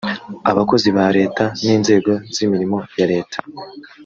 abakozi ba leta n inzego z imirimo ya leta